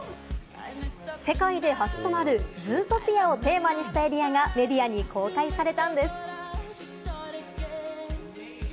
世界で初となる『ズートピア』をテーマにしたエリアがメディアに公開されたんです。